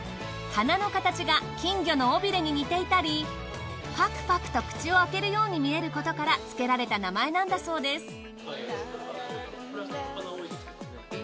花の形が金魚の尾びれに似ていたりパクパクと口を開けるように見えることからつけられた名前なんだそうです。